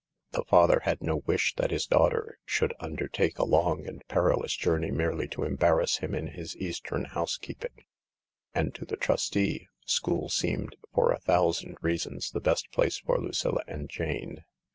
The father had no wish that his daughter should undertake a 21 22 THE LARK long and perilous journey merely to embarrass him in hid Eastern housekeeping — and, to the trustee, school seemed, for a thousand reasons, the best place for Lucilla and Jane.